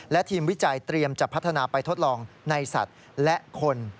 และทีมวิจัยเตรียมจะพัฒนาไปทดลองในสัตว์และคน